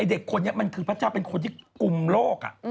เด็กคนนี้มันคือพระเจ้าเป็นคนที่กลุ่มโลก